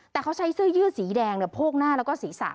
แต่เขาใช้เสื้อยืดสีแดงโพกหน้าแล้วก็ศีรษะ